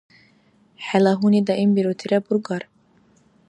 ХӀела гьуни даимбирутира бургар.